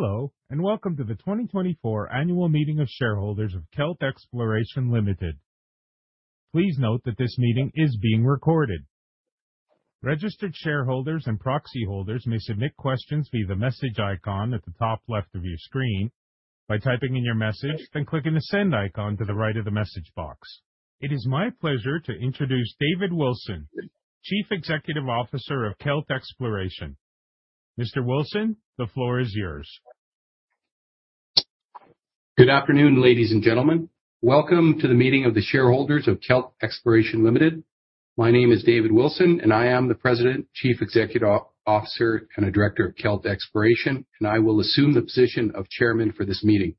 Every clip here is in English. Hello and welcome to the 2024 Annual Meeting of Shareholders of Kelt Exploration Ltd. Please note that this meeting is being recorded. Registered shareholders and proxy holders may submit questions via the message icon at the top left of your screen. By typing in your message, then clicking the send icon to the right of the message box. It is my pleasure to introduce David Wilson, Chief Executive Officer of Kelt Exploration. Mr. Wilson, the floor is yours. Good afternoon, ladies and gentlemen. Welcome to the meeting of the shareholders of Kelt Exploration Limited. My name is David Wilson, and I am the President, Chief Executive Officer, and Director of Kelt Exploration, and I will assume the position of Chairman for this meeting.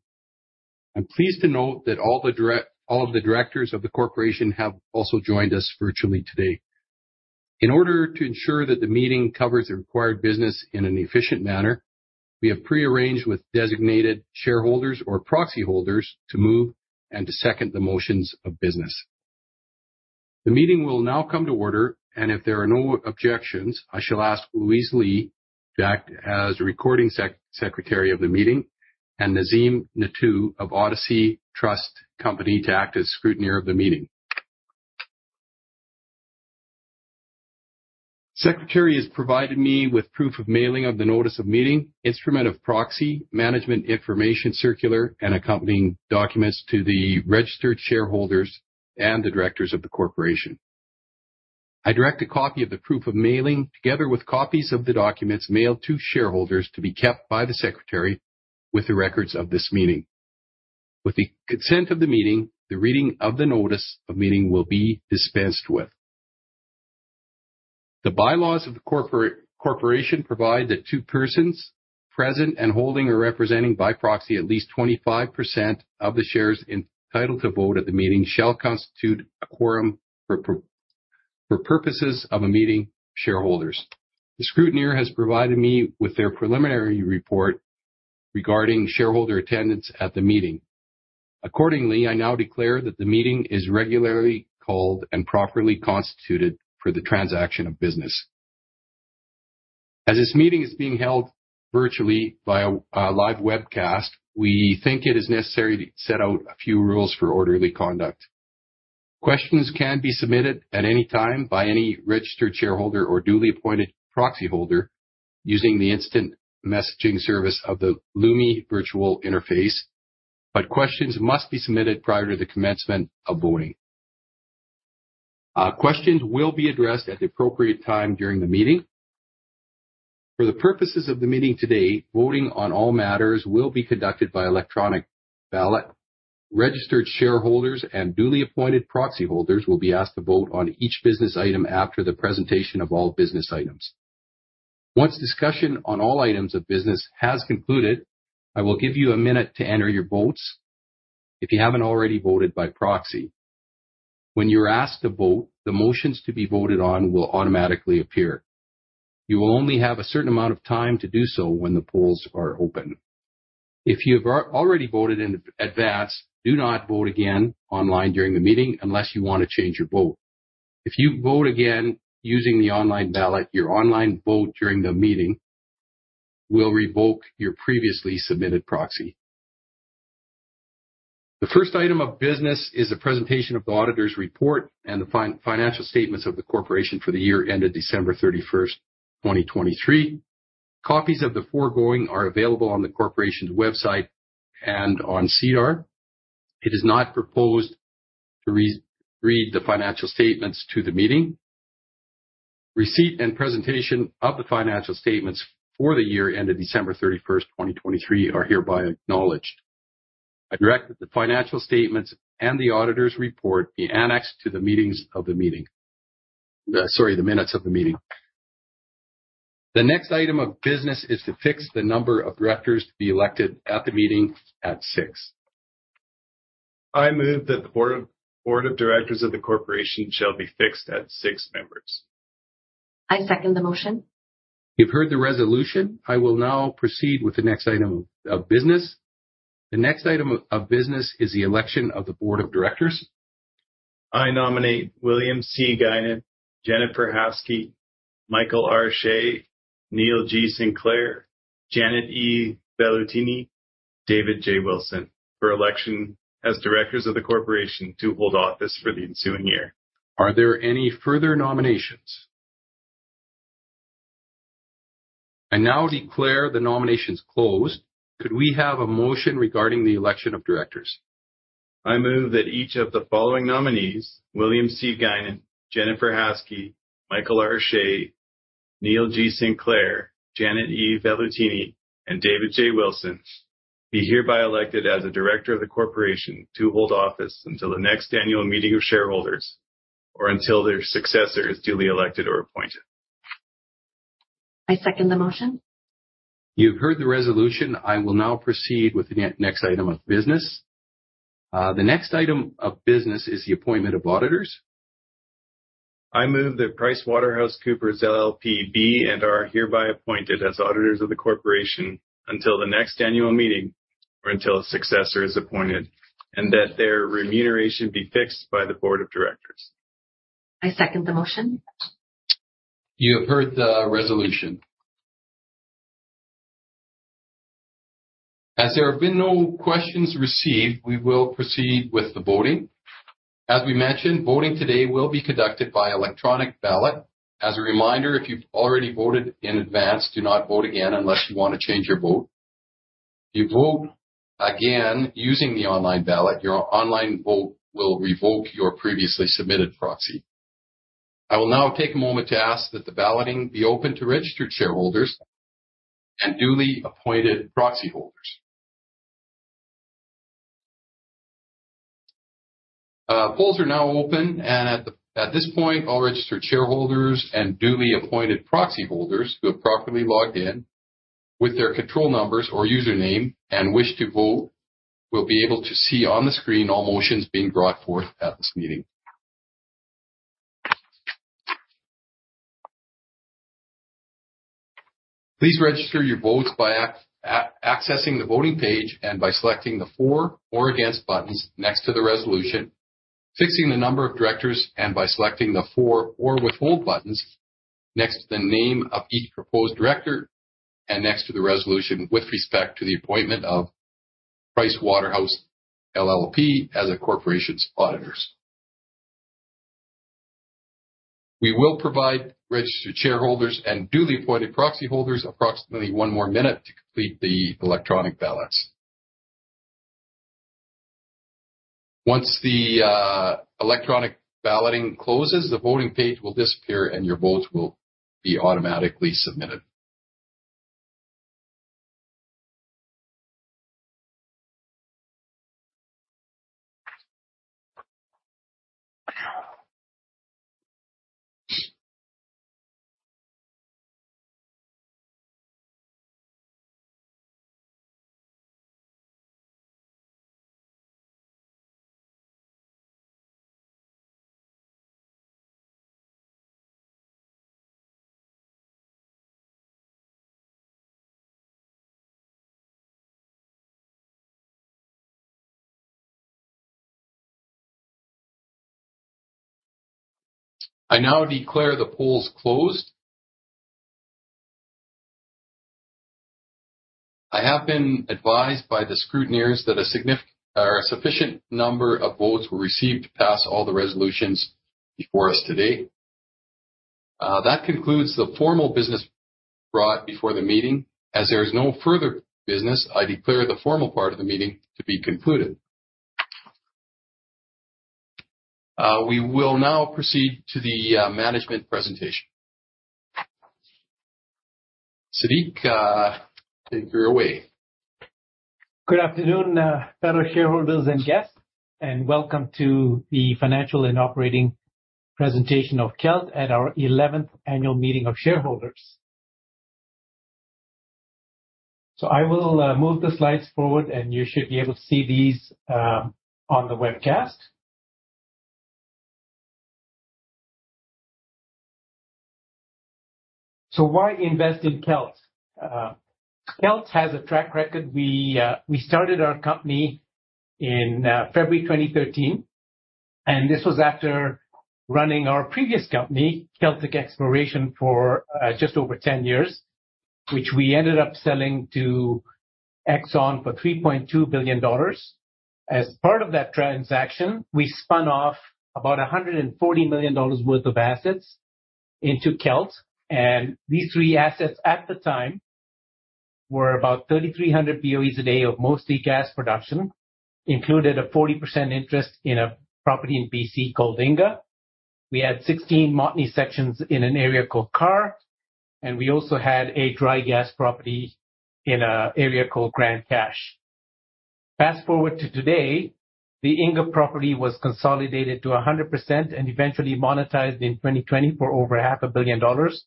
I'm pleased to note that all of the directors of the corporation have also joined us virtually today. In order to ensure that the meeting covers the required business in an efficient manner, we have prearranged with designated shareholders or proxy holders to move and to second the motions of business. The meeting will now come to order, and if there are no objections, I shall ask Louise Lee to act as recording secretary of the meeting, and Nazim Nathoo of Odyssey Trust Company to act as scrutineer of the meeting. Secretary has provided me with proof of mailing of the notice of meeting, instrument of proxy, management information circular, and accompanying documents to the registered shareholders and the directors of the corporation. I direct a copy of the proof of mailing together with copies of the documents mailed to shareholders to be kept by the secretary with the records of this meeting. With the consent of the meeting, the reading of the notice of meeting will be dispensed with. The bylaws of the corporation provide that two persons present and holding or representing by proxy at least 25% of the shares entitled to vote at the meeting shall constitute a quorum for purposes of a meeting of shareholders. The scrutineer has provided me with their preliminary report regarding shareholder attendance at the meeting. Accordingly, I now declare that the meeting is regularly called and properly constituted for the transaction of business. As this meeting is being held virtually via a live webcast, we think it is necessary to set out a few rules for orderly conduct. Questions can be submitted at any time by any registered shareholder or duly appointed proxy holder using the instant messaging service of the Lumi Virtual Interface, but questions must be submitted prior to the commencement of voting. Questions will be addressed at the appropriate time during the meeting. For the purposes of the meeting today, voting on all matters will be conducted by electronic ballot. Registered shareholders and duly appointed proxy holders will be asked to vote on each business item after the presentation of all business items. Once discussion on all items of business has concluded, I will give you a minute to enter your votes if you haven't already voted by proxy. When you're asked to vote, the motions to be voted on will automatically appear. You will only have a certain amount of time to do so when the polls are open. If you have already voted in advance, do not vote again online during the meeting unless you want to change your vote. If you vote again using the online ballot, your online vote during the meeting will revoke your previously submitted proxy. The first item of business is the presentation of the auditor's report and the financial statements of the corporation for the year ended December 31st, 2023. Copies of the foregoing are available on the corporation's website and on SEDAR+. It is not proposed to re-read the financial statements to the meeting. Receipt and presentation of the financial statements for the year ended December 31st, 2023, are hereby acknowledged. I direct that the financial statements and the auditor's report be annexed to the minutes of the meeting. The next item of business is to fix the number of directors to be elected at the meeting at six. I move that the board of directors of the corporation shall be fixed at six members. I second the motion. You've heard the resolution. I will now proceed with the next item of business. The next item of business is the election of the board of directors. I nominate William C. Guinan, Jennifer M. Haskey, Michael R. Shea, Neil G. Sinclair, Janet E. Vellutini, David J. Wilson for election as directors of the corporation to hold office for the ensuing year. Are there any further nominations? I now declare the nominations closed. Could we have a motion regarding the election of directors? I move that each of the following nominees, William C. Guinan, Jennifer M. Haskey, Michael R. Shea, Neil G. Sinclair, Janet E. Vellutini, and David J. Wilson, be hereby elected as a director of the corporation to hold office until the next annual meeting of shareholders or until their successor is duly elected or appointed. I second the motion. You've heard the resolution. I will now proceed with the next item of business. The next item of business is the appointment of auditors. I move that PricewaterhouseCoopers LLP be and are hereby appointed as auditors of the corporation until the next annual meeting or until a successor is appointed, and that their remuneration be fixed by the board of directors. I second the motion. You have heard the resolution. As there have been no questions received, we will proceed with the voting. As we mentioned, voting today will be conducted by electronic ballot. As a reminder, if you've already voted in advance, do not vote again unless you want to change your vote. If you vote again using the online ballot, your online vote will revoke your previously submitted proxy. I will now take a moment to ask that the balloting be open to registered shareholders and duly appointed proxy holders. Polls are now open, and at this point, all registered shareholders and duly appointed proxy holders who have properly logged in with their control numbers or username and wish to vote will be able to see on the screen all motions being brought forth at this meeting. Please register your votes by accessing the voting page and by selecting the for or against buttons next to the resolution, fixing the number of directors, and by selecting the for or withhold buttons next to the name of each proposed director and next to the resolution with respect to the appointment of PricewaterhouseCoopers LLP as the corporation's auditors. We will provide registered shareholders and duly appointed proxy holders approximately one more minute to complete the electronic ballots. Once the electronic balloting closes, the voting page will disappear and your votes will be automatically submitted. I now declare the polls closed. I have been advised by the scrutineers that a significant or a sufficient number of votes were received to pass all the resolutions before us today. That concludes the formal business brought before the meeting. As there is no further business, I declare the formal part of the meeting to be concluded. We will now proceed to the management presentation. Sadiq, take your way. Good afternoon, fellow shareholders and guests, and welcome to the financial and operating presentation of Kelt at our 11th Annual Meeting of Shareholders. So I will move the slides forward and you should be able to see these on the webcast. So why invest in Kelt? Kelt has a track record. We started our company in February 2013, and this was after running our previous company, Celtic Exploration, for just over 10 years, which we ended up selling to Exxon for 3.2 billion dollars. As part of that transaction, we spun off about 140 million dollars worth of assets into Kelt, and these three assets at the time were about 3,300 BOEs a day of mostly gas production, included a 40% interest in a property in BC called Inga. We had 16 Montney sections in an area called Karr, and we also had a dry gas property in an area called Grande Cache. Fast forward to today, the Inga property was consolidated to 100% and eventually monetized in 2020 for over 500 million dollars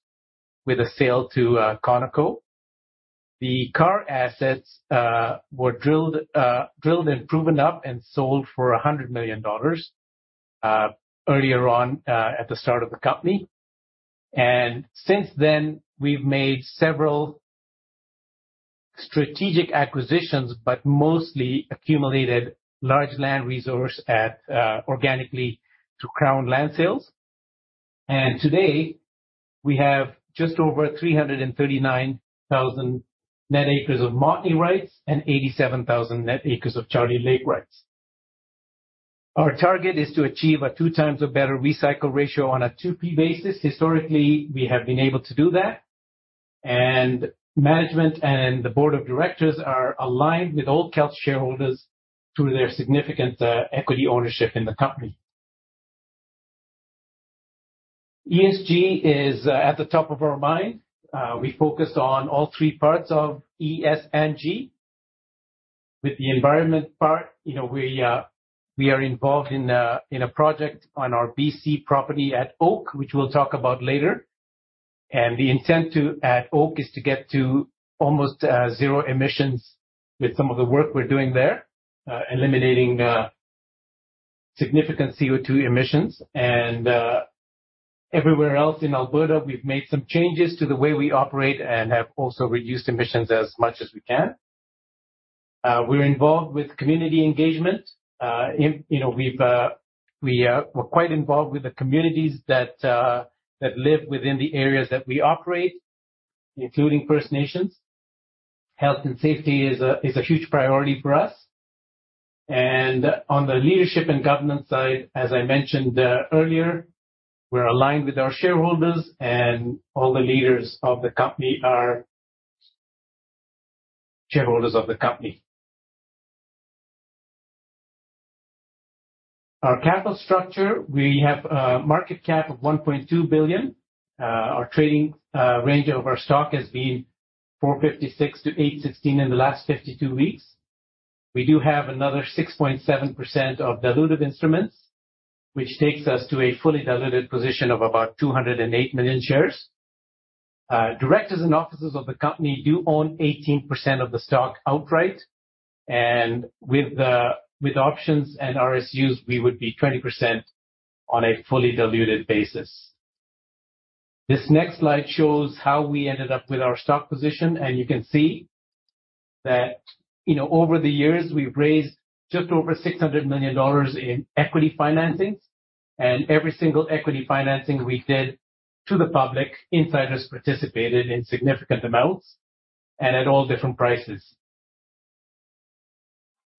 with a sale to Conoco. The Karr assets were drilled, drilled and proven up and sold for 100 million dollars earlier on, at the start of the company. Since then, we've made several strategic acquisitions but mostly accumulated large land resource at organically through Crown land sales. Today, we have just over 339,000 net acres of Montney rights and 87,000 net acres of Charlie Lake rights. Our target is to achieve a 2x or better recycle ratio on a 2P basis. Historically, we have been able to do that. Management and the board of directors are aligned with all Kelt shareholders through their significant equity ownership in the company. ESG is at the top of our mind. We focused on all three parts of ES and G. With the environment part, you know, we are involved in a project on our BC property at Oak, which we'll talk about later. And the intent, too, at Oak is to get to almost zero emissions with some of the work we're doing there, eliminating significant CO2 emissions. And everywhere else in Alberta, we've made some changes to the way we operate and have also reduced emissions as much as we can. We're involved with community engagement. In, you know, we're quite involved with the communities that live within the areas that we operate, including First Nations. Health and safety is a huge priority for us. On the leadership and governance side, as I mentioned earlier, we're aligned with our shareholders and all the leaders of the company are shareholders of the company. Our capital structure, we have a market cap of 1.2 billion. Our trading range of our stock has been 4.56-8.16 in the last 52 weeks. We do have another 6.7% of diluted instruments, which takes us to a fully diluted position of about 208 million shares. Directors and officers of the company do own 18% of the stock outright. With options and RSUs, we would be 20% on a fully diluted basis. This next slide shows how we ended up with our stock position, and you can see that, you know, over the years, we've raised just over 600 million dollars in equity financings. Every single equity financing we did to the public, insiders participated in significant amounts and at all different prices.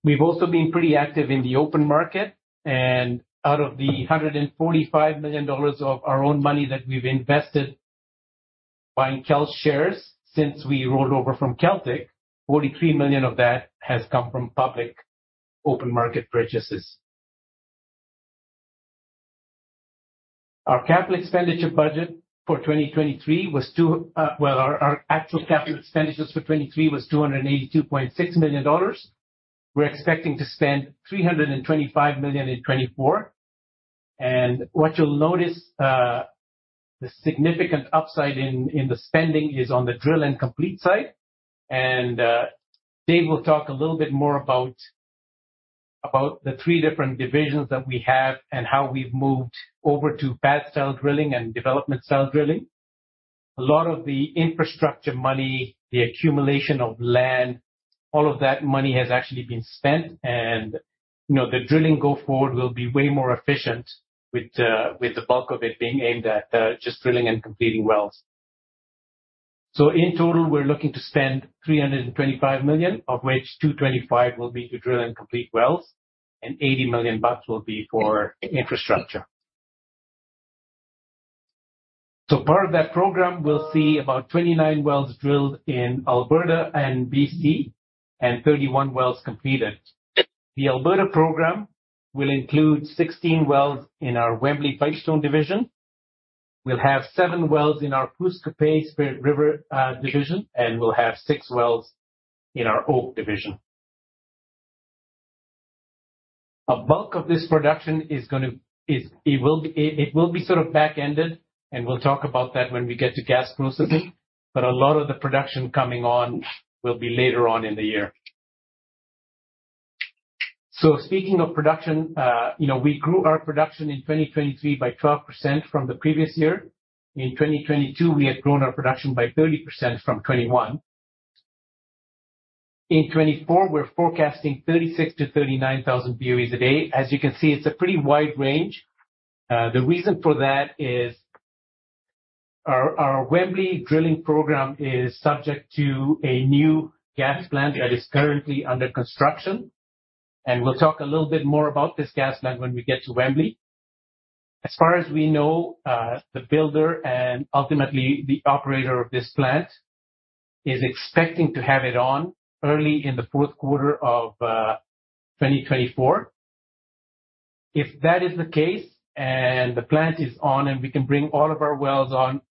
We've also been pretty active in the open market. And out of the 145 million dollars of our own money that we've invested buying Kelt shares since we rolled over from Celtic, 43 million of that has come from public open market purchases. Our capital expenditure budget for 2023 was, well, our actual capital expenditures for 2023 was 282.6 million dollars. We're expecting to spend 325 million in 2024. And what you'll notice, the significant upside in the spending is on the drill and complete side. Dave will talk a little bit more about the three different divisions that we have and how we've moved over to pad-style drilling and development-style drilling. A lot of the infrastructure money, the accumulation of land, all of that money has actually been spent. You know, the drilling go forward will be way more efficient with the bulk of it being aimed at just drilling and completing wells. So in total, we're looking to spend 325 million, of which 225 million will be to drill and complete wells, and 80 million bucks will be for infrastructure. So part of that program, we'll see about 29 wells drilled in Alberta and BC and 31 wells completed. The Alberta program will include 16 wells in our Wembley Pipestone division. We'll have seven wells in our Pouce Coupé Spirit River division, and we'll have six wells in our Oak division. A bulk of this production is gonna be, it will be sort of back-ended, and we'll talk about that when we get to gas processing. But a lot of the production coming on will be later on in the year. So speaking of production, you know, we grew our production in 2023 by 12% from the previous year. In 2022, we had grown our production by 30% from 2021. In 2024, we're forecasting 36,000-39,000 BOEs a day. As you can see, it's a pretty wide range. The reason for that is our Wembley drilling program is subject to a new gas plant that is currently under construction. And we'll talk a little bit more about this gas plant when we get to Wembley. As far as we know, the builder and ultimately the operator of this plant is expecting to have it on early in the fourth quarter of 2024. If that is the case and the plant is on and we can bring all of our wells on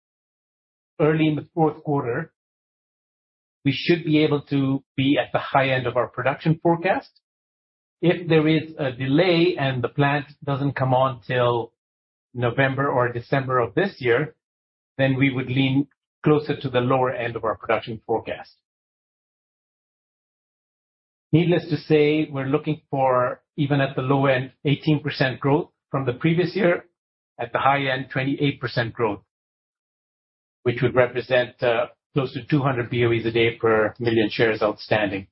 early in the fourth quarter, we should be able to be at the high end of our production forecast. If there is a delay and the plant doesn't come on till November or December of this year, then we would lean closer to the lower end of our production forecast. Needless to say, we're looking for even at the low end, 18% growth from the previous year. At the high end, 28% growth, which would represent, close to 200 BOEs a day per million shares outstanding.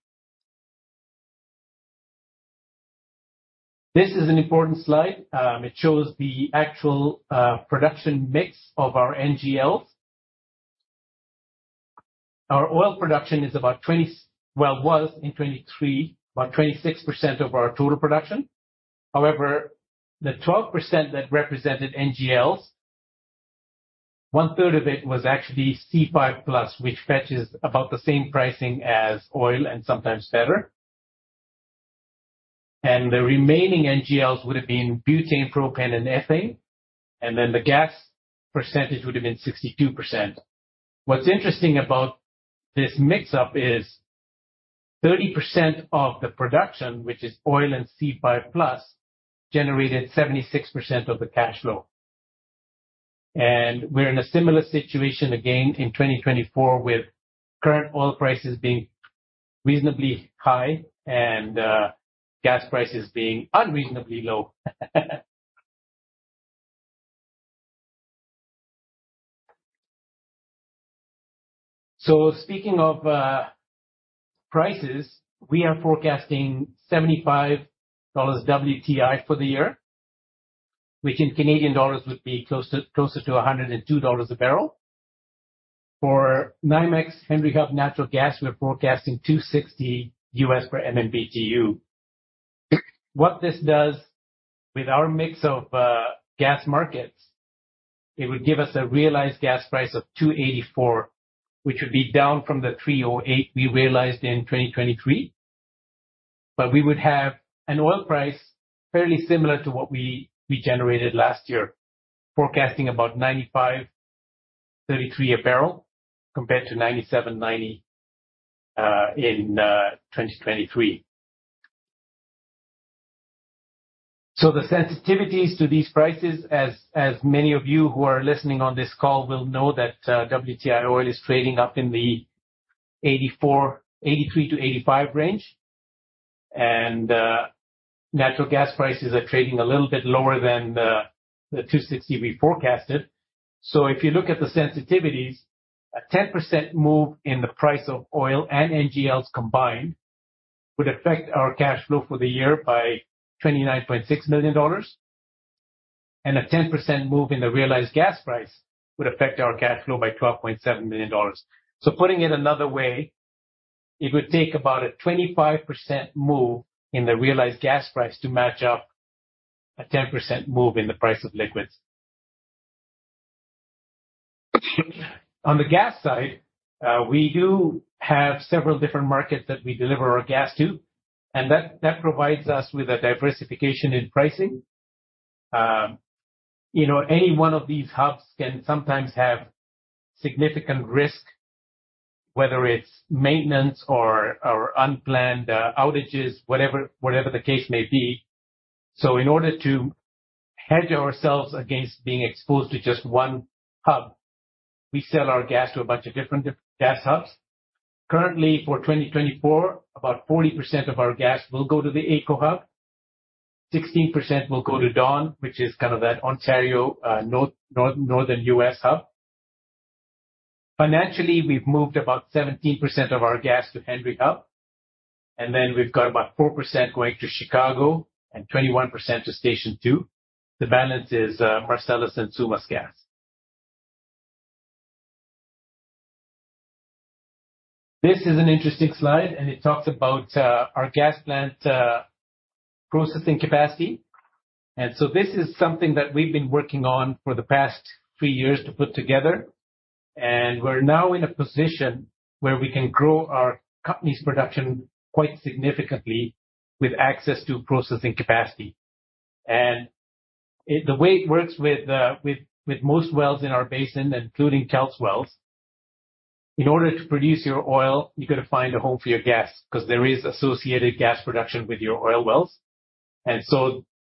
This is an important slide. It shows the actual, production mix of our NGLs. Our oil production is about 20 well, was in 2023 about 26% of our total production. However, the 12% that represented NGLs, one third of it was actually C5+, which fetches about the same pricing as oil and sometimes better. The remaining NGLs would have been butane, propane, and ethane. Then the gas percentage would have been 62%. What's interesting about this mixup is 30% of the production, which is oil and C5+, generated 76% of the cash flow. We're in a similar situation again in 2024 with current oil prices being reasonably high and gas prices being unreasonably low. So, speaking of prices, we are forecasting $75 WTI for the year, which in Canadian dollars would be close to closer to 102 dollars a bbl. For NYMEX Henry Hub natural gas, we're forecasting $2.60 per MMBTU. What this does with our mix of gas markets, it would give us a realized gas price of 2.84, which would be down from the 3.08 we realized in 2023. But we would have an oil price fairly similar to what we generated last year, forecasting about 95.33 a bbl compared to 97.90 in 2023. So the sensitivities to these prices, as many of you who are listening on this call will know that WTI oil is trading up in the 84, 83 to 85 range. And natural gas prices are trading a little bit lower than the 2.60 we forecasted. So if you look at the sensitivities, a 10% move in the price of oil and NGLs combined would affect our cash flow for the year by 29.6 million dollars. And a 10% move in the realized gas price would affect our cash flow by 12.7 million dollars. So putting it another way, it would take about a 25% move in the realized gas price to match up a 10% move in the price of liquids. On the gas side, we do have several different markets that we deliver our gas to. And that provides us with a diversification in pricing. You know, any one of these hubs can sometimes have significant risk, whether it's maintenance or unplanned outages, whatever the case may be. So in order to hedge ourselves against being exposed to just one hub, we sell our gas to a bunch of different gas hubs. Currently, for 2024, about 40% of our gas will go to the AECO hub. 16% will go to Dawn, which is kind of that Ontario Northern U.S. hub. Financially, we've moved about 17% of our gas to Henry Hub. Then we've got about 4% going to Chicago and 21% to Station 2. The balance is Marcellus and SUMAS gas. This is an interesting slide, and it talks about our gas plant processing capacity. This is something that we've been working on for the past three years to put together. We're now in a position where we can grow our company's production quite significantly with access to processing capacity. In the way it works with most wells in our basin, including Kelt's wells, in order to produce your oil, you gotta find a home for your gas 'cause there is associated gas production with your oil wells.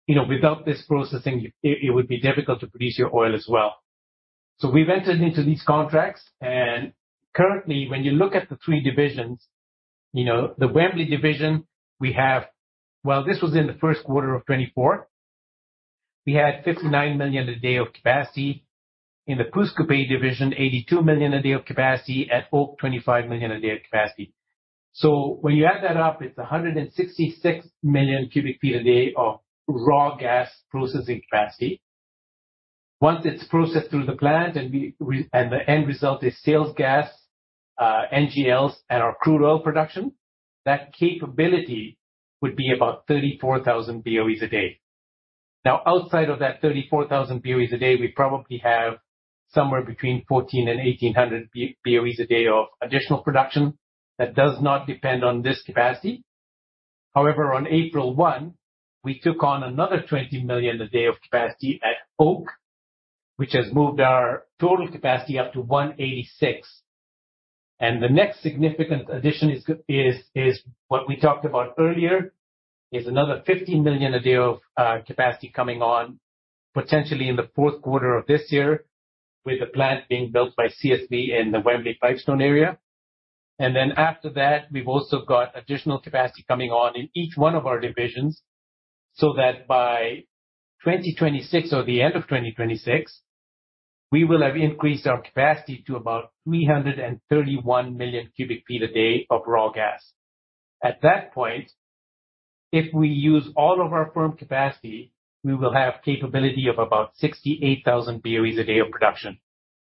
You know, without this processing, it would be difficult to produce your oil as well. We've entered into these contracts. And currently, when you look at the three divisions, you know, the Wembley division, we have well, this was in the first quarter of 2024. We had 59 million a day of capacity. In the Pouce Coupé division, 82 million a day of capacity. At Oak, 25 million a day of capacity. So when you add that up, it's 166 million cu ft a day of raw gas processing capacity. Once it's processed through the plant and the end result is sales gas, NGLs, and our crude oil production, that capability would be about 34,000 BOEs a day. Now, outside of that 34,000 BOEs a day, we probably have somewhere between 1,400 and 1,800 BOEs a day of additional production that does not depend on this capacity. However, on April 1, we took on another 20 million a day of capacity at Oak, which has moved our total capacity up to 186. And the next significant addition is what we talked about earlier, is another 50 million a day of capacity coming on potentially in the fourth quarter of this year with the plant being built by CSV in the Wembley Pipestone area. And then after that, we've also got additional capacity coming on in each one of our divisions so that by 2026 or the end of 2026, we will have increased our capacity to about 331 million cu ft a day of raw gas. At that point, if we use all of our firm capacity, we will have capability of about 68,000 BOEs a day of production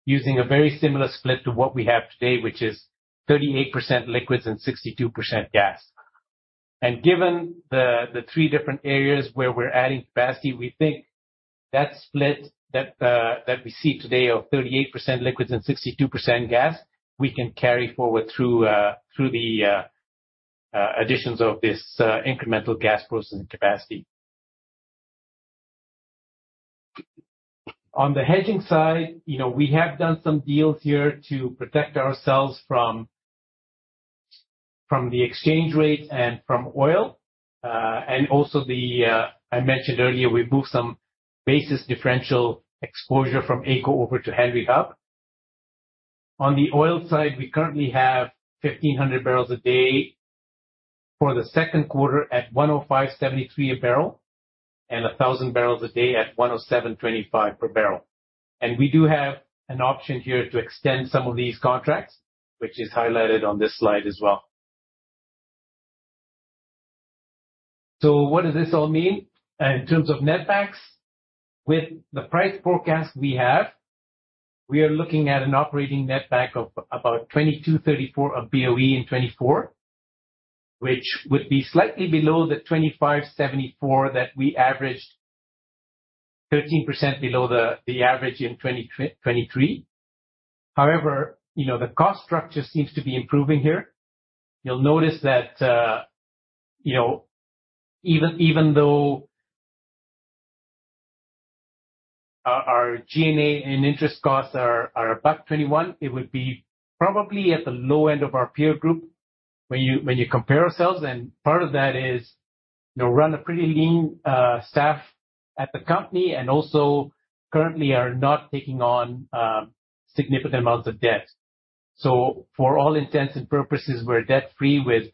using a very similar split to what we have today, which is 38% liquids and 62% gas. Given the three different areas where we're adding capacity, we think that split that we see today of 38% liquids and 62% gas, we can carry forward through the additions of this incremental gas processing capacity. On the hedging side, you know, we have done some deals here to protect ourselves from the exchange rate and from oil. And also, I mentioned earlier, we moved some basis differential exposure from AECO over to Henry Hub. On the oil side, we currently have 1,500 bbl a day for the second quarter at 105.73 a bbl and 1,000 bbl a day at 107.25 per bbl. And we do have an option here to extend some of these contracts, which is highlighted on this slide as well. So what does this all mean? In terms of netbacks, with the price forecast we have, we are looking at an operating netback of about 22.34/BOE in 2024, which would be slightly below the 25.74 that we averaged, 13% below the average in 2023. However, you know, the cost structure seems to be improving here. You'll notice that, you know, even though our G&A and interest costs are above 21, it would be probably at the low end of our peer group when you compare ourselves. And part of that is, you know, run a pretty lean staff at the company and also currently are not taking on significant amounts of debt. So for all intents and purposes, we're debt-free with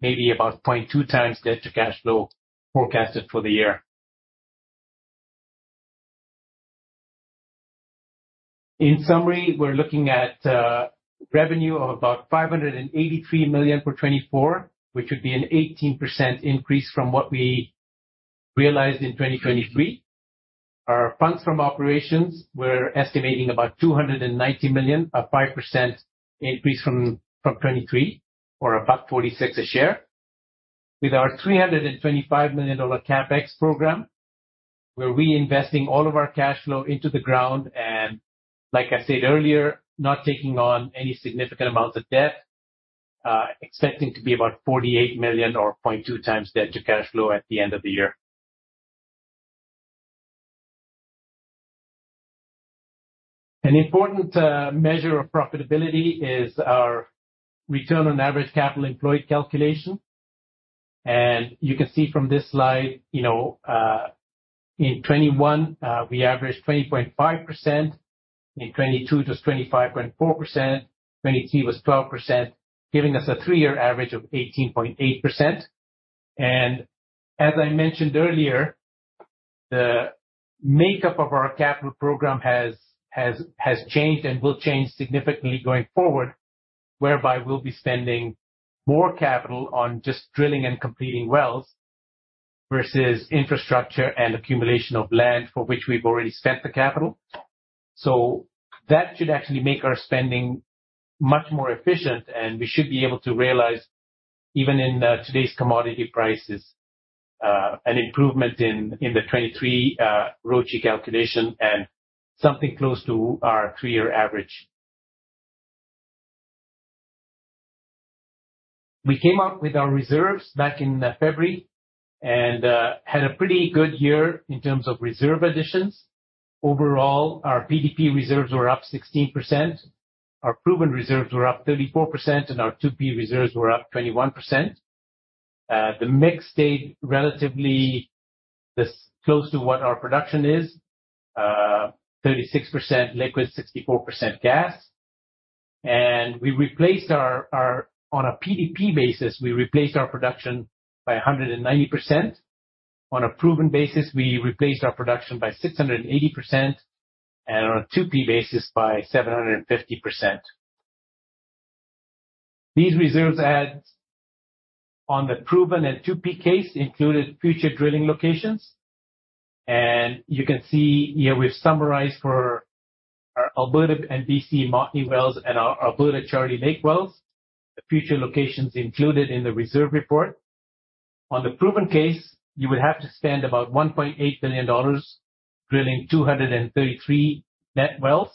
maybe about 0.2x debt to cash flow forecasted for the year. In summary, we're looking at revenue of about 583 million for 2024, which would be an 18% increase from what we realized in 2023. Our funds from operations, we're estimating about 290 million, a 5% increase from 2023 or above 46 a share. With our 325 million dollar CapEx program, we're reinvesting all of our cash flow into the ground and, like I said earlier, not taking on any significant amounts of debt, expecting to be about 48 million or 0.2x debt to cash flow at the end of the year. An important measure of profitability is our return on average capital employed calculation. You can see from this slide, you know, in 2021, we averaged 20.5%. In 2022, it was 25.4%. 2023 was 12%, giving us a three-year average of 18.8%. As I mentioned earlier, the makeup of our capital program has changed and will change significantly going forward, whereby we'll be spending more capital on just drilling and completing wells versus infrastructure and accumulation of land for which we've already spent the capital. So that should actually make our spending much more efficient. And we should be able to realize, even in today's commodity prices, an improvement in the 2023 ROACE calculation and something close to our three-year average. We came out with our reserves back in February and had a pretty good year in terms of reserve additions. Overall, our PDP reserves were up 16%. Our proven reserves were up 34%, and our 2P reserves were up 21%. The mix stayed relatively this close to what our production is, 36% liquids, 64% gas. And we replaced our on a PDP basis, we replaced our production by 190%. On a proved basis, we replaced our production by 680%. And on a 2P basis, by 750%. These reserves add on the proved and 2P case included future drilling locations. And you can see here, we've summarized for our Alberta and BC Montney wells and our Alberta Charlie Lake wells, the future locations included in the reserve report. On the proved case, you would have to spend about 1.8 billion dollars drilling 233 net wells.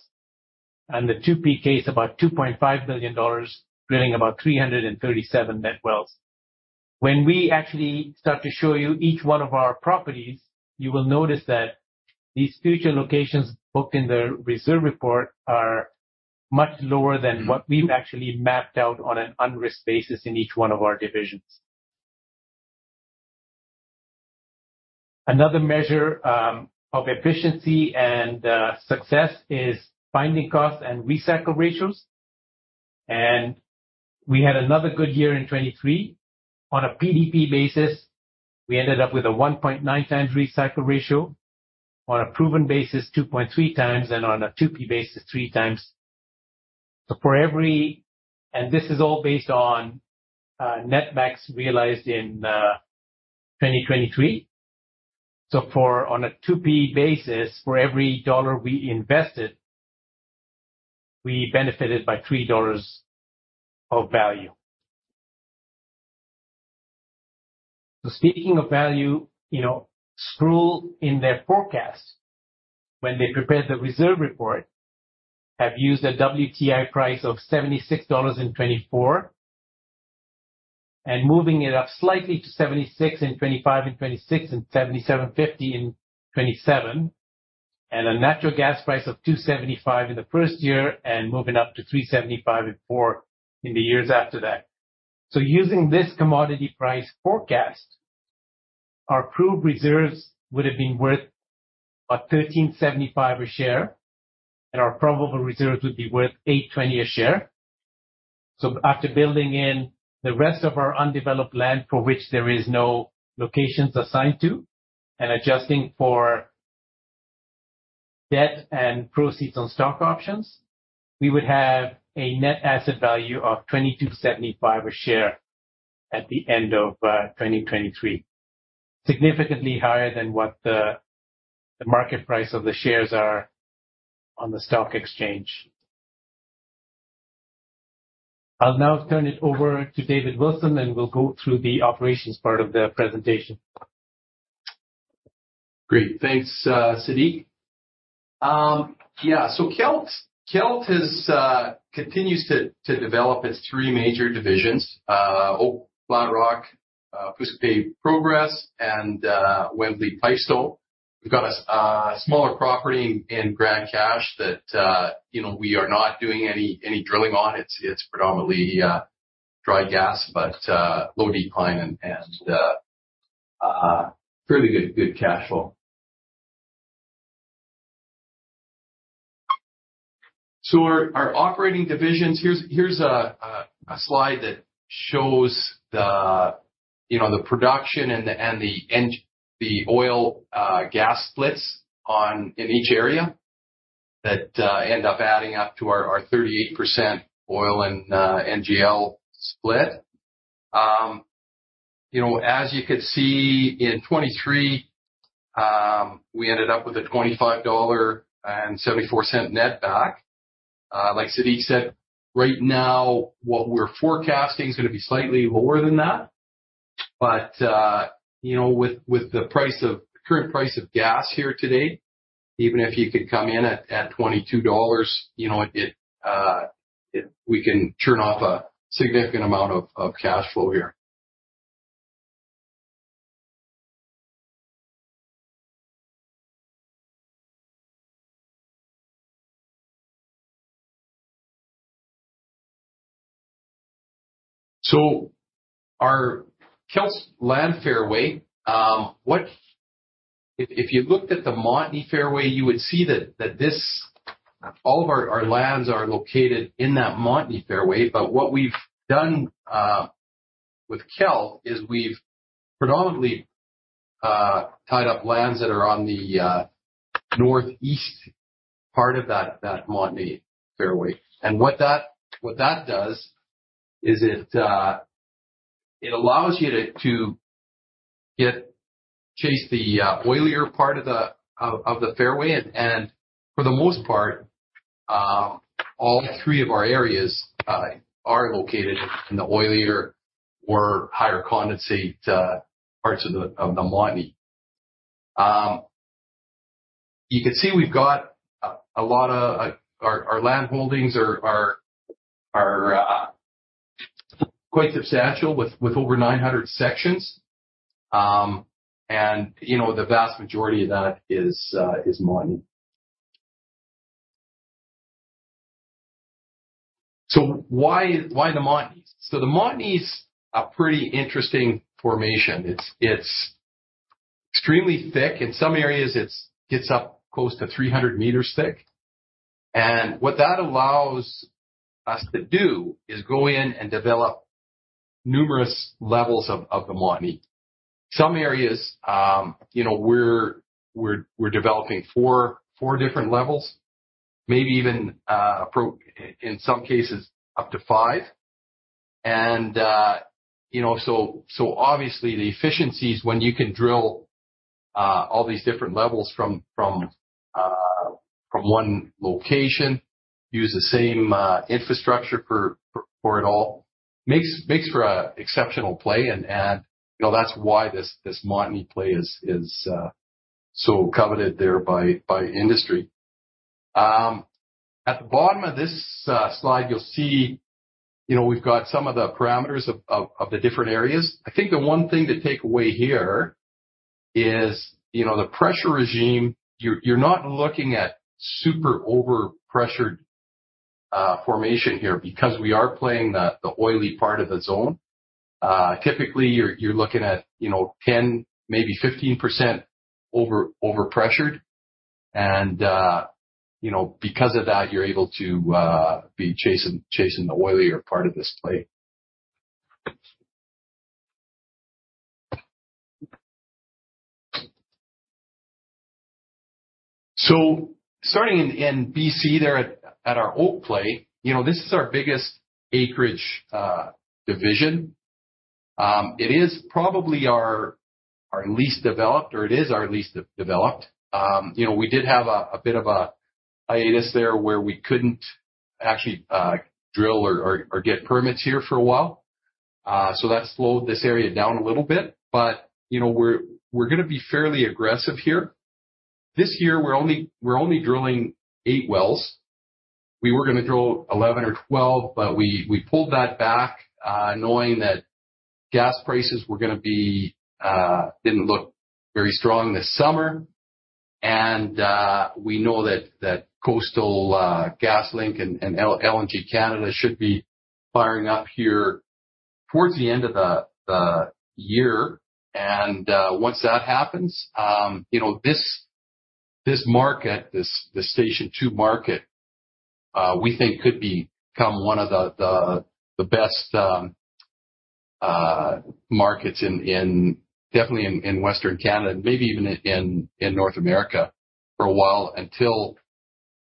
And the 2P case, about 2.5 billion dollars, drilling about 337 net wells. When we actually start to show you each one of our properties, you will notice that these future locations booked in the reserve report are much lower than what we've actually mapped out on an unrisked basis in each one of our divisions. Another measure of efficiency and success is finding costs and recycle ratios. We had another good year in 2023. On a PDP basis, we ended up with a 1.9x recycle ratio. On a proven basis, 2.3x. And on a 2P basis, 3x. So for every, and this is all based on netbacks realized in 2023. So for on a 2P basis, for every dollar we invested, we benefited by 3 dollars of value. So speaking of value, you know, Sproule in their forecast when they prepared the reserve report have used a WTI price of $76 in 2024 and moving it up slightly to $76 in 2025 and 2026 and $77.50 in 2027 and a natural gas price of 2.75 in the first year and moving up to 3.75 in the years after that. So using this commodity price forecast, our proved reserves would have been worth about 1,375 a share. And our probable reserves would be worth 820 a share. So after building in the rest of our undeveloped land for which there is no locations assigned to and adjusting for debt and proceeds on stock options, we would have a net asset value of 2,275 a share at the end of 2023, significantly higher than what the market price of the shares are on the stock exchange. I'll now turn it over to David Wilson, and we'll go through the operations part of the presentation. Great. Thanks, Sadiq. Yeah. So Kelt has continues to develop its three major divisions, Oak, Flatrock, Pouce Coupé, and Wembley/Pipestone. We've got a smaller property in Grande Cache that you know we are not doing any drilling on. It's predominantly dry gas, but low decline and fairly good cash flow. So our operating divisions, here's a slide that shows, you know, the production and the oil, gas splits in each area that end up adding up to our 38% oil and NGL split. You know, as you could see in 2023, we ended up with a 25.74 dollar netback. Like Sadiq said, right now, what we're forecasting is gonna be slightly lower than that. But you know, with the current price of gas here today, even if you come in at 22 dollars, you know, we can throw off a significant amount of cash flow here. So our Kelt land fairway, what if you looked at the Montney fairway, you would see that this all of our lands are located in that Montney fairway. But what we've done with Kelt is we've predominantly tied up lands that are on the northeast part of that Montney fairway. And what that does is it allows you to get chase the oilier part of the fairway. And for the most part, all three of our areas are located in the oilier or higher condensate parts of the Montney. You could see we've got a lot of our land holdings are quite substantial with over 900 sections. And you know, the vast majority of that is Montney. So why the Montneys? So the Montneys are a pretty interesting formation. It's extremely thick. In some areas, it gets up close to 300 m thick. And what that allows us to do is go in and develop numerous levels of the Montney. Some areas, you know, we're developing four different levels, maybe even probably in some cases, up to five. And, you know, so obviously, the efficiencies when you can drill all these different levels from one location, use the same infrastructure for it all, makes for an exceptional play. And, you know, that's why this Montney play is so coveted there by industry. At the bottom of this slide, you'll see, you know, we've got some of the parameters of the different areas. I think the one thing to take away here is, you know, the pressure regime. You're not looking at super overpressured formation here because we are playing the oily part of the zone. Typically, you're looking at, you know, 10, maybe 15% overpressured. And, you know, because of that, you're able to be chasing the oilier part of this play. So starting in BC there at our Oak play, you know, this is our biggest acreage division. It is probably our least developed, or it is our least developed. You know, we did have a bit of a hiatus there where we couldn't actually drill or get permits here for a while. So that slowed this area down a little bit. But, you know, we're gonna be fairly aggressive here. This year, we're only drilling eight wells. We were gonna drill 11 or 12, but we pulled that back, knowing that gas prices were gonna be, didn't look very strong this summer. And we know that Coastal GasLink and LNG Canada should be firing up here towards the end of the year. And once that happens, you know, this market, this Station 2 market, we think could become one of the best markets in definitely in Western Canada, maybe even in North America for a while until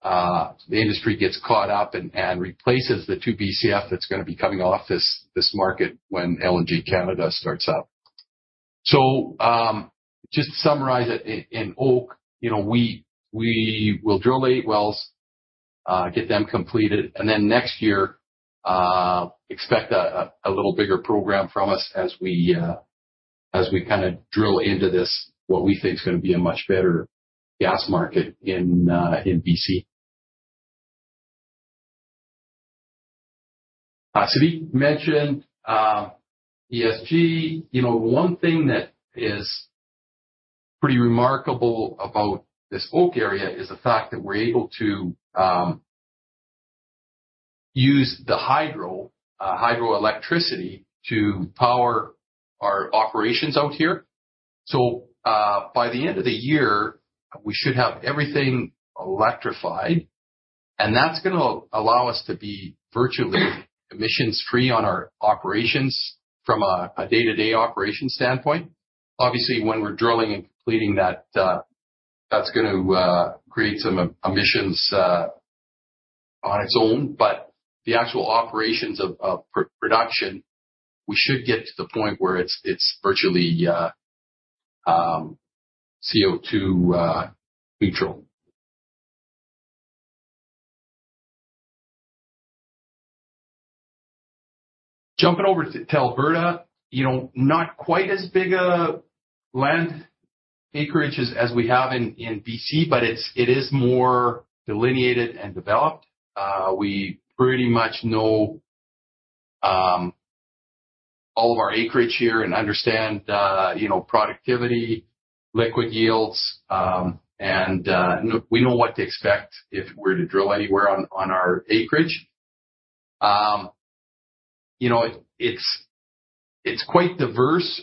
the industry gets caught up and replaces the 2 BCF that's gonna be coming off this market when LNG Canada starts up. So just to summarize it in Oak, you know, we will drill eight wells, get them completed. And then next year, expect a little bigger program from us as we kinda drill into this, what we think's gonna be a much better gas market in BC. Sadiq mentioned ESG. You know, one thing that is pretty remarkable about this Oak area is the fact that we're able to use the hydroelectricity to power our operations out here. So, by the end of the year, we should have everything electrified. And that's gonna allow us to be virtually emissions-free on our operations from a day-to-day operation standpoint. Obviously, when we're drilling and completing that, that's gonna create some emissions on its own. But the actual operations of production, we should get to the point where it's virtually CO2 neutral. Jumping over to Alberta, you know, not quite as big a land acreage as we have in BC, but it is more delineated and developed. We pretty much know all of our acreage here and understand, you know, productivity, liquid yields, and we know what to expect if we're to drill anywhere on our acreage. You know, it's quite diverse.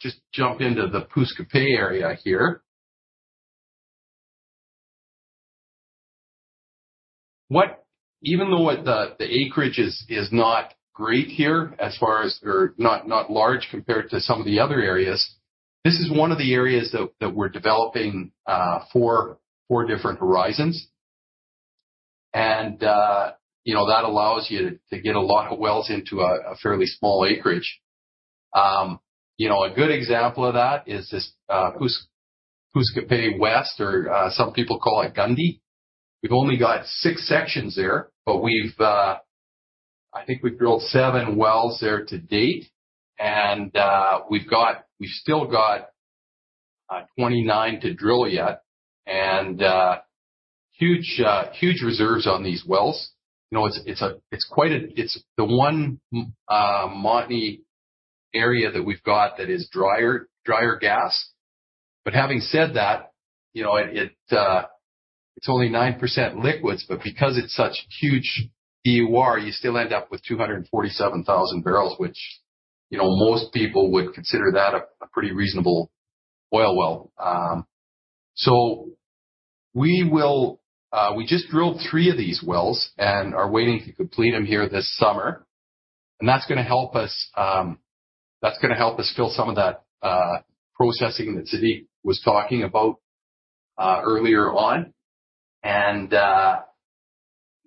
Just jump into the Pouce Coupé area here. Even though the acreage is not great here, or not large compared to some of the other areas, this is one of the areas that we're developing for different horizons. You know, that allows you to get a lot of wells into a fairly small acreage. You know, a good example of that is this, Pouce Coupé West, or, some people call it Gundy. We've only got six sections there, but we've, I think we've drilled seven wells there to date. And, we've still got 29 to drill yet. And, huge, huge reserves on these wells. You know, it's quite a, it's the one Montney area that we've got that is drier, drier gas. But having said that, you know, it's only 9% liquids. But because it's such huge EUR, you still end up with 247,000 bbl, which, you know, most people would consider that a pretty reasonable oil well. So we just drilled three of these wells and are waiting to complete them here this summer. And that's gonna help us, that's gonna help us fill some of that processing that Sadiq was talking about earlier on. And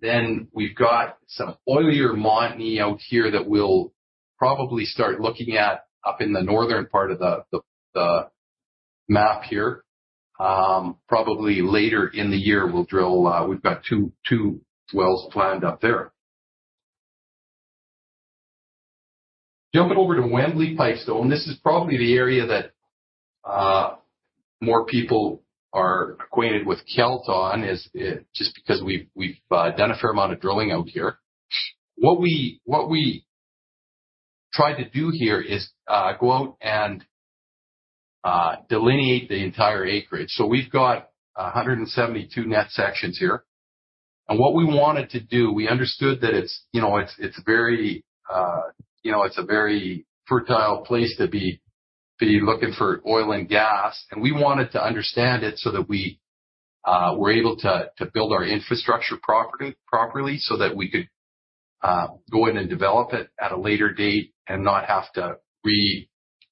then we've got some oilier Montney out here that we'll probably start looking at up in the northern part of the map here, probably later in the year. We'll drill; we've got two, two wells planned up there. Jumping over to Wembley Pipestone. This is probably the area that more people are acquainted with Kelt on is, just because we've, we've done a fair amount of drilling out here. What we tried to do here is go out and delineate the entire acreage. So we've got 172 net sections here. And what we wanted to do we understood that it's, you know, it's very, you know, it's a very fertile place to be looking for oil and gas. We wanted to understand it so that we were able to build our infrastructure property properly so that we could go in and develop it at a later date and not have to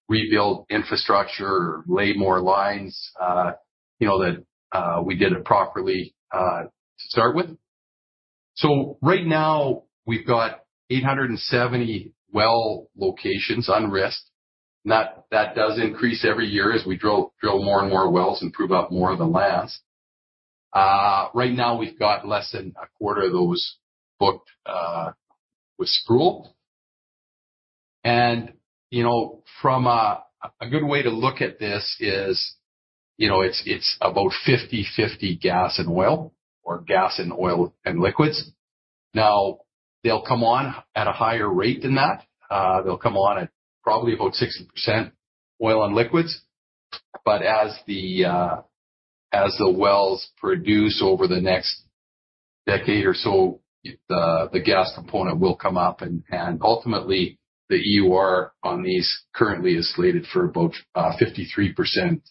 rebuild infrastructure or lay more lines, you know, that we did it properly to start with. So right now, we've got 870 well locations unrisked. And that does increase every year as we drill more and more wells and prove out more of the lands. Right now, we've got less than a quarter of those booked with Sproule. And you know, a good way to look at this is, you know, it's about 50/50 gas and oil or gas and oil and liquids. Now, they'll come on at a higher rate than that. They'll come on at probably about 60% oil and liquids. But as the wells produce over the next decade or so, the gas component will come up. And ultimately, the EUR on these currently is slated for about 53%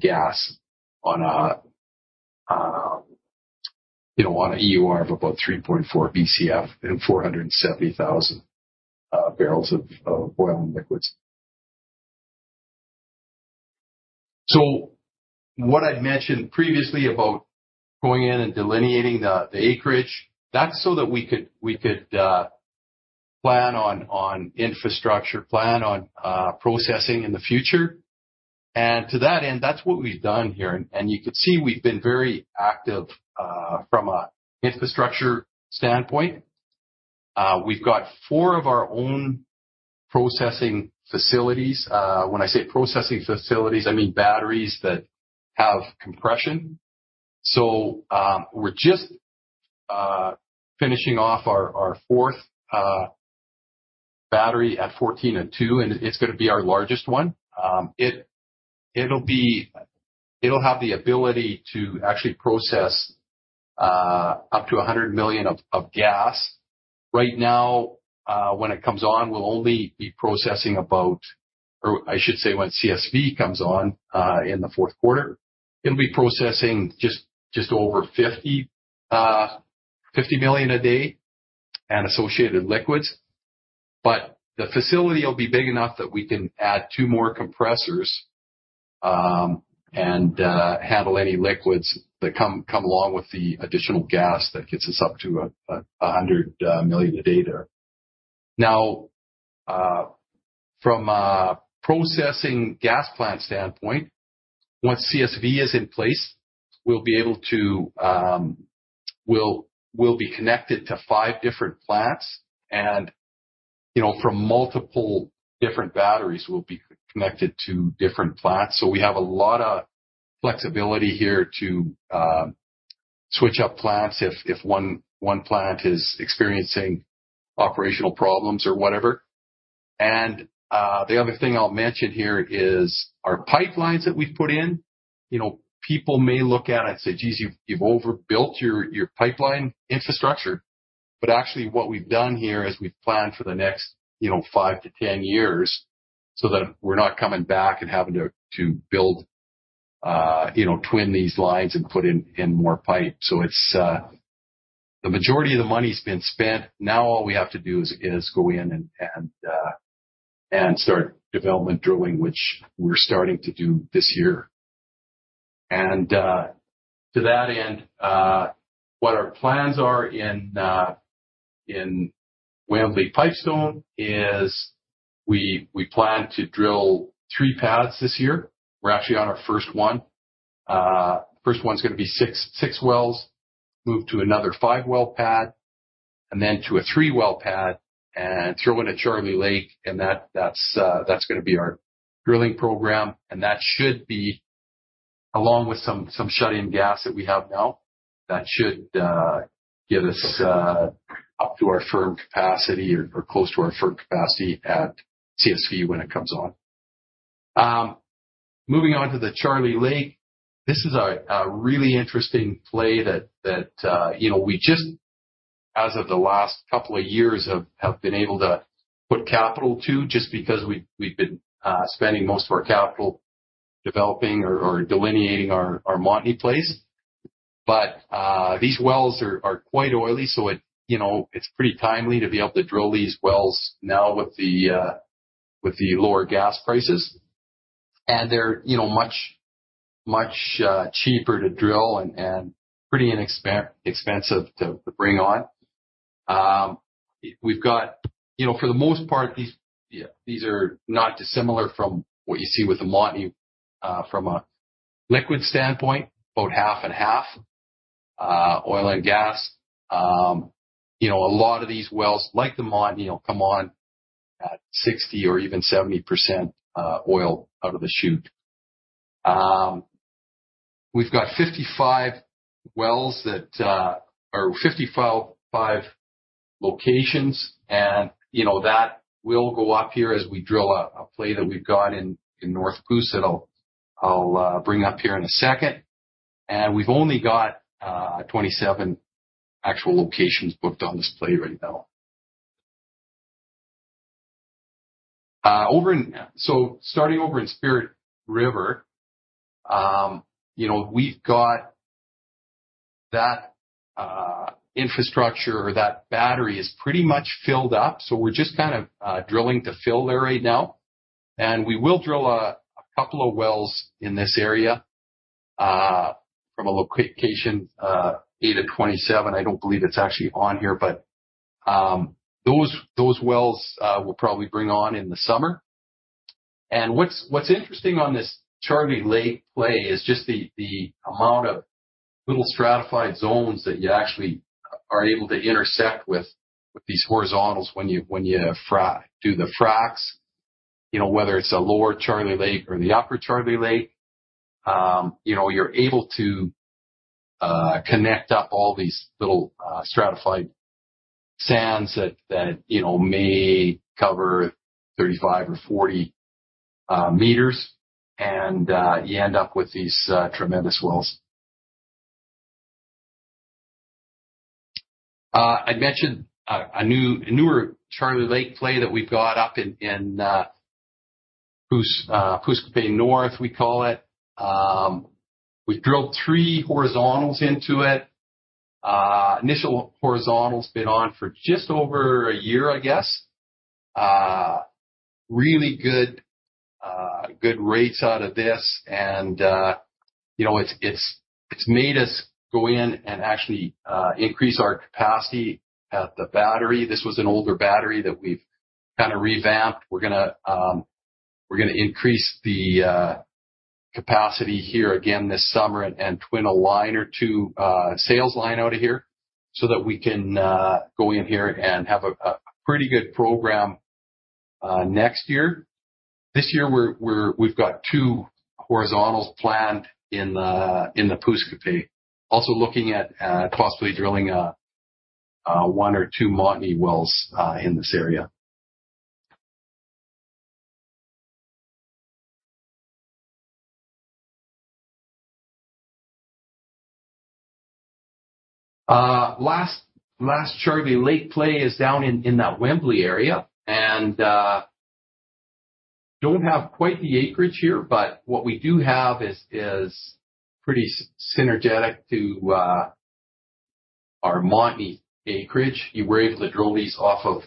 gas on a, you know, on a EUR of about 3.4 BCF and 470,000 bbl of oil and liquids. So what I'd mentioned previously about going in and delineating the acreage, that's so that we could plan on infrastructure, plan on processing in the future. And to that end, that's what we've done here. And you could see we've been very active from an infrastructure standpoint. We've got four of our own processing facilities. When I say processing facilities, I mean batteries that have compression. So we're just finishing off our fourth battery at 14-02. And it's gonna be our largest one. It'll have the ability to actually process up to 100 million of gas. Right now, when it comes on, we'll only be processing about, or I should say when CSV comes on, in the fourth quarter, it'll be processing just over 50 million a day and associated liquids. But the facility will be big enough that we can add two more compressors and handle any liquids that come along with the additional gas that gets us up to 100 million a day there. Now, from a processing gas plant standpoint, once CSV is in place, we'll be able to. We'll be connected to five different plants. You know, from multiple different batteries, we'll be connected to different plants. So we have a lot of flexibility here to switch up plants if one plant is experiencing operational problems or whatever. And the other thing I'll mention here is our pipelines that we've put in. You know, people may look at it and say, "Jeez, you've overbuilt your pipeline infrastructure." But actually, what we've done here is we've planned for the next, you know, 5 to 10 years so that we're not coming back and having to build, you know, twin these lines and put in more pipe. So it's the majority of the money's been spent. Now, all we have to do is go in and start development drilling, which we're starting to do this year. And to that end, what our plans are in Wembley Pipestone is we plan to drill three pads this year. We're actually on our first one. First one's gonna be six, six wells, move to another five-well pad, and then to a three-well pad, and throw in a Charlie Lake. And that, that's, that's gonna be our drilling program. And that should be along with some, some shut-in gas that we have now, that should get us up to our firm capacity or, or close to our firm capacity at CSV when it comes on. Moving on to the Charlie Lake, this is a really interesting play that, that you know, we just as of the last couple of years have, have been able to put capital to just because we've, we've been spending most of our capital developing or, or delineating our, our Montney play. But these wells are, are quite oily. So, you know, it's pretty timely to be able to drill these wells now with the, with the lower gas prices. And they're, you know, much, much, cheaper to drill and, and pretty inexpensive to, to bring on. We've got, you know, for the most part, these, yeah, these are not dissimilar from what you see with the Montney, from a liquid standpoint, about half and half, oil and gas. You know, a lot of these wells, like the Montney, you know, come on at 60% or even 70% oil out of the chute. We've got 55 wells that, or 55 locations. And, you know, that will go up here as we drill a play that we've got in North Pouce that I'll bring up here in a second. And we've only got 27 actual locations booked on this play right now. So starting over in Spirit River, you know, we've got that infrastructure or that battery is pretty much filled up. So we're just kind of drilling to fill there right now. And we will drill a couple of wells in this area, from a location eight to 27. I don't believe it's actually on here. But those wells, we'll probably bring on in the summer. And what's interesting on this Charlie Lake play is just the amount of little stratified zones that you actually are able to intersect with these horizontals when you do the fracs, you know, whether it's a lower Charlie Lake or the upper Charlie Lake. You know, you're able to connect up all these little stratified sands that you know may cover 35 m or 40 m. And you end up with these tremendous wells. I'd mentioned a newer Charlie Lake play that we've got up in Pouce Coupé North, we call it. We've drilled three horizontals into it. Initial horizontals been on for just over a year, I guess. Really good, good rates out of this. And, you know, it's made us go in and actually increase our capacity at the battery. This was an older battery that we've kinda revamped. We're gonna increase the capacity here again this summer and twin a line or two, sales line out of here so that we can go in here and have a pretty good program next year. This year, we've got two horizontals planned in the Pouce Coupé, also looking at possibly drilling a one or two Montney wells in this area. Last Charlie Lake play is down in that Wembley area. And don't have quite the acreage here. But what we do have is pretty synergetic to our Montney acreage. We're able to drill these off of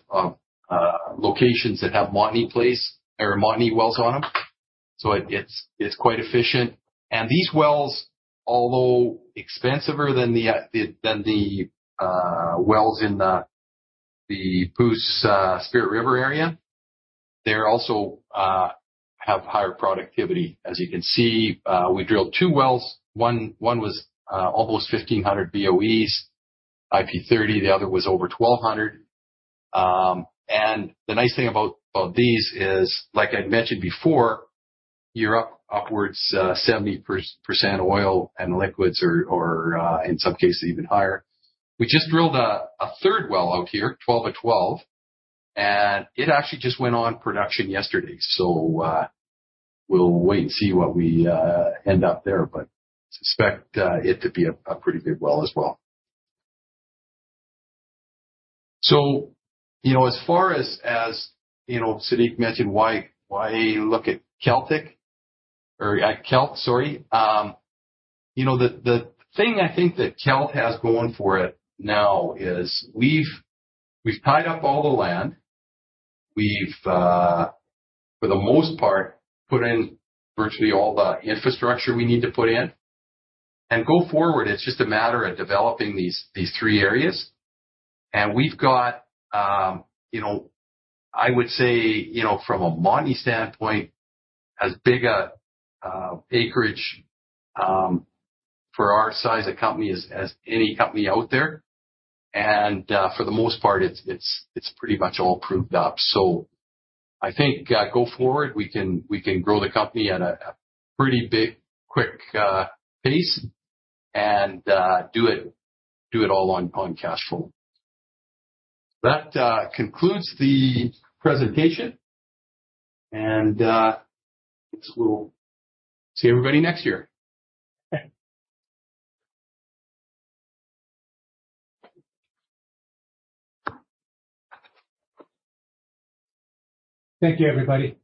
locations that have Montney play or Montney wells on them. So it's quite efficient. And these wells, although more expensive than the wells in the Pouce, Spirit River area, they also have higher productivity. As you can see, we drilled two wells. One was almost 1,500 BOEs IP30. The other was over 1,200. And the nice thing about these is, like I'd mentioned before, you're upwards 70% oil and liquids or, in some cases, even higher. We just drilled a third well out here, 12 of 12. And it actually just went on production yesterday. So, we'll wait and see what we end up there. But suspect it to be a pretty good well as well. So, you know, as far as, as you know, Sadiq mentioned why look at Celtic or at Kelt, sorry. You know, the thing I think that Kelt has going for it now is we've tied up all the land. We've, for the most part, put in virtually all the infrastructure we need to put in. And go forward, it's just a matter of developing these three areas. And we've got, you know, I would say, you know, from a Montney standpoint, as big a acreage for our size of company as any company out there. And, for the most part, it's pretty much all proved up. So I think, go forward. We can grow the company at a pretty big, quick pace and do it all on cash flow. That concludes the presentation. We'll see everybody next year. Thank you, everybody.